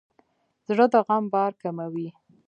زړه د غم بار کموي.